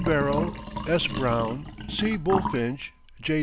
Barrell, S. Brown, C. Bulfinch, J.